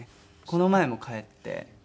この前も帰って。